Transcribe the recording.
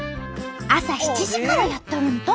朝７時からやっとるんと！